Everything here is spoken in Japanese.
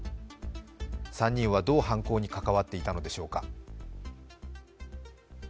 ３人はどう犯行に関わっていたのでしょうか。